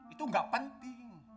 itu enggak penting